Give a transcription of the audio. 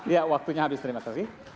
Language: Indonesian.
ya waktunya habis terima kasih